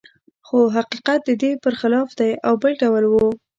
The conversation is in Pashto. خو حقیقت د دې پرخلاف دی او بل ډول و